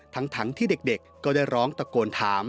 ทั้งที่เด็กก็ได้ร้องตะโกนถาม